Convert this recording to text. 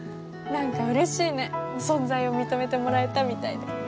何かうれしいね存在を認めてもらえたみたいで。